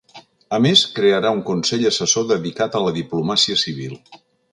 A més, crearà un consell assessor dedicat a la diplomàcia civil.